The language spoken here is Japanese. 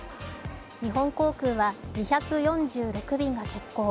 日本航空は２４６便が欠航。